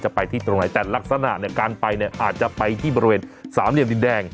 ไปที่ตรงไหนแต่ลักษณะเนี่ยการไปเนี่ยอาจจะไปที่บริเวณสามเหลี่ยมดินแดง